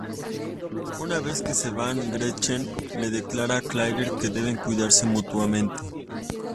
Una vez que se van Gretchen le declara a Claire que deben cuidarse mutuamente.